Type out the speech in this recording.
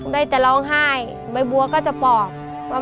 ได้แต่ร้องไห้บ๊วยบัวก็จะบอกว่า